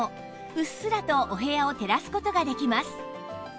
うっすらとお部屋を照らす事ができます